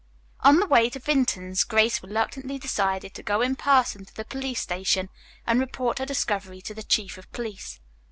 On the way to Vinton's, Grace reluctantly decided to go in person to the police station and report her discovery to the Chief of Police.